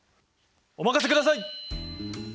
お任せください！